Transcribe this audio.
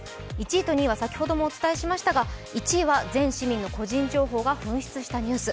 １位と２位は先ほどもお伝えしましたが、１位は全市民の個人情報が流出したニュース。